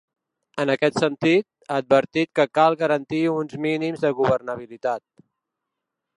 En aquest sentit, ha advertit que cal garantir uns mínims de governabilitat.